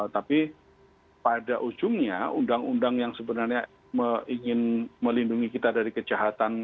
tapi pada ujungnya undang undang yang sebenarnya ingin melindungi kita dari kejahatan